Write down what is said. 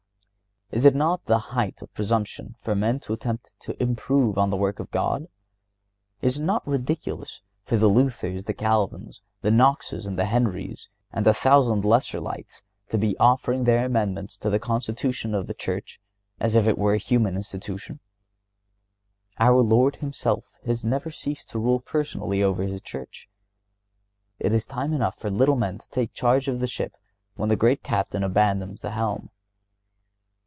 Is it not the height of presumption for men to attempt to improve upon the work of God? Is it not ridiculous for the Luthers, the Calvins, the Knoxes and the Henries and a thousand lesser lights to be offering their amendments to the Constitution of the Church, as if it were a human Institution? Our Lord Himself has never ceased to rule personally over His Church. It is time enough for little men to take charge of the Ship when the great Captain abandons the helm.